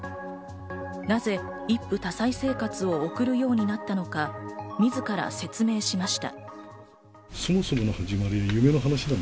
なぜ一夫多妻生活を送るようになったのか、自ら説明をしました。